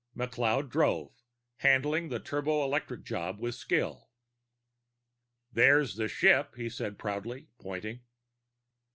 McLeod drove, handling the turboelectric job with skill. "There's the ship," he said proudly, pointing.